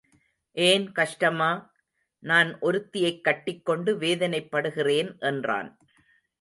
ஏன் கஷ்டமா? நான் ஒருத்தியைக் கட்டிக்கொண்டு வேதனைப் படுகிறேன் என்றான்.